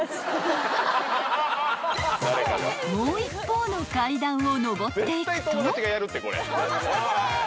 ［もう一方の階段を上っていくと］